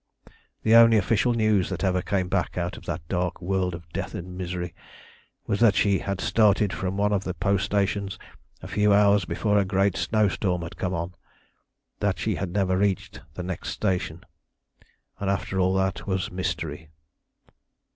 The only official news that ever came back out of that dark world of death and misery was that she had started from one of the post stations a few hours before a great snow storm had come on, that she had never reached the next station and after that all was mystery.